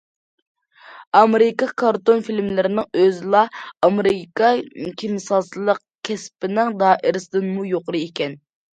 ئامېرىكا كارتون فىلىملىرىنىڭ ئۆزىلا ئامېرىكا كېمىسازلىق كەسپىنىڭ دائىرىسىدىنمۇ يۇقىرى ئىكەن.